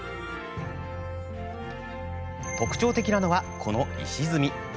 特徴的なのは、この石積み。